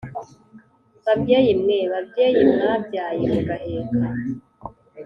(Babyeyi mweee) Babyeyi mwabyaye mugaheka